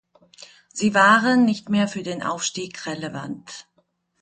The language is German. Sie waren nicht mehr für den Aufstieg relevant.